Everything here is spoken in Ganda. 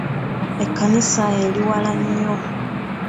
Ekkanisa eri wala nnyo.